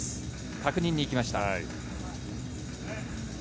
確認にいきました。